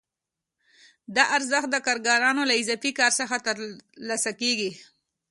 دا ارزښت د کارګرانو له اضافي کار څخه ترلاسه کېږي